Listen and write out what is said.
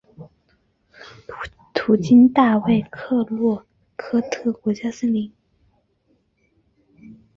途经大卫克洛科特国家森林。